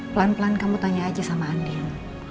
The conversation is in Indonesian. pelan pelan kamu tanya aja sama andin